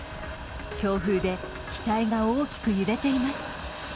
強風で機体が大きく揺れています。